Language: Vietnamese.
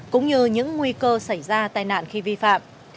cũng như những nguy cơ xảy ra tai nạn khi vi phạm